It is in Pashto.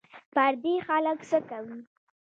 پردي خلک څه کوې